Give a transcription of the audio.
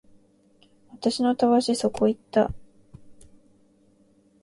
私のたわしそこ行った